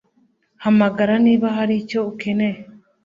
Hamagara niba hari icyo ukeneye